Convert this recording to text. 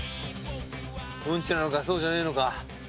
うんちなのかそうじゃねえのか。